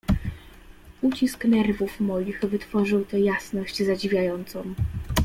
"Ucisk nerwów moich wytworzył tę jasność zadziwiającą."